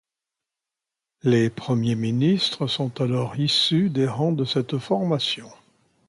Les premiers ministres sont alors issus des rangs de cette formation.